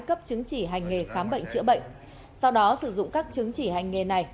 cấp chứng chỉ hành nghề khám bệnh chữa bệnh sau đó sử dụng các chứng chỉ hành nghề này